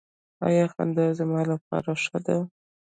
ایا خندا زما لپاره ښه ده؟